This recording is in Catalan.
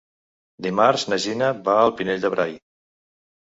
Dimarts na Gina va al Pinell de Brai.